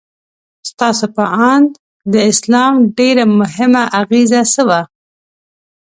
ستاسو په اند د اسلام ډېره مهمه اغیزه څه وه؟